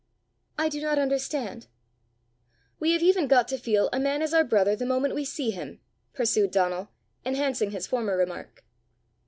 "I do not understand." "We have even got to feel a man is our brother the moment we see him," pursued Donal, enhancing his former remark.